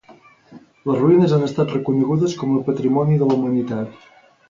Les ruïnes han estat reconegudes com a Patrimoni de la Humanitat.